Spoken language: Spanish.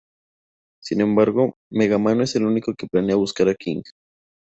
Sin embargo, Mega Man no es el único que planea buscar a King.